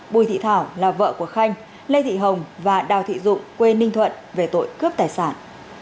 bùi thị thảo là vợ của khanh lê thị hồng và đào thị dụng quê ninh thuận về tội cướp tài sản